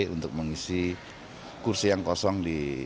untuk mengisi kursi yang kosong di